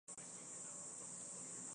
是颗五角星。